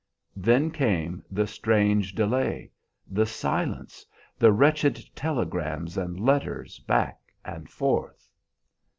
"Then came the strange delay, the silence, the wretched telegrams and letters back and forth.